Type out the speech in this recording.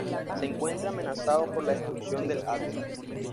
Se encuentra amenazado por la destrucción del hábitat.